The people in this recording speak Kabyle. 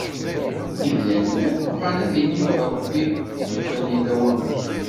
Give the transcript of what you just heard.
Imdanen akk bɣan ad ilin d Rebbi lukan yella wamek.